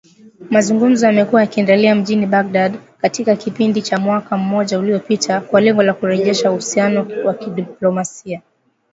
Mazungumuzo yamekuwa yakiendelea mjini Baghdad katika kipindi cha mwaka mmoja uliopita kwa lengo la kurejesha uhusiano wa kidiplomasia